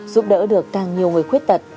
giúp đỡ được càng nhiều người khuyết tật